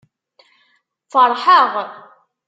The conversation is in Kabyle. Feṛḥeɣ.